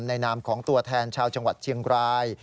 นามของตัวแทนชาวจังหวัดเชียงราย